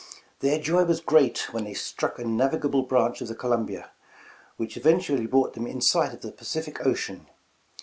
Their joy was great when they struck a navigable branch of the Columbia, which eventually brought them in sight of the Pacific Ocean.